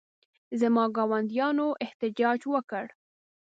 زما ګاونډیانو احتجاج وکړ.